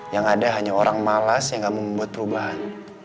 yang ada hanya orang malas yang gak membuat perubahan